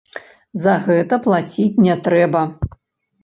За гэта плаціць не трэба.